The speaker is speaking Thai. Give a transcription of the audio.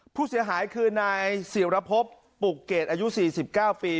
ผู้เสียหายคือนายศิรพบปุกเกตอายุ๔๙ปี